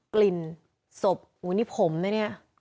กลิ่นศพอุ้ยนี่ผมนะเนี่ย